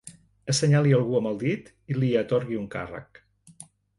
Assenyali algú amb el dit i li atorgui un càrrec.